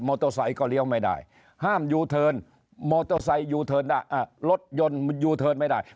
มอโตไซด์ก็เลี้ยวไม่ได้ห้ามยูเทิร์นรถยนต์ยูเทิร์นไม่ได้